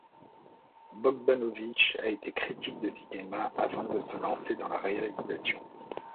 Bogdanovich a été critique de cinéma avant de se lancer dans la réalisation.